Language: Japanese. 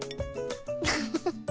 フフフ。